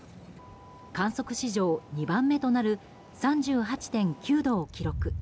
観測史上２番目となる３８．９度を記録。